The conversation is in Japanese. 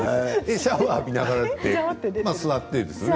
シャワーを浴びながら座ってですよね。